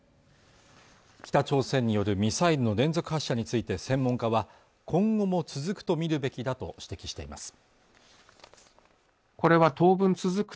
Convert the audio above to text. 北朝鮮によるミサイルの連続発射について専門家は今後も続くと見るべきだと指摘しています